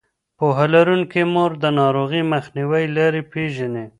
پوهه لرونکې مور د ناروغۍ مخنیوي لارې پېژني.